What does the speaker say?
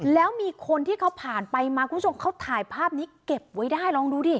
แล้วมีคนที่เขาผ่านไปมาคุณผู้ชมเขาถ่ายภาพนี้เก็บไว้ได้ลองดูดิ